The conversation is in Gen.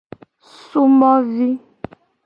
Sumovi.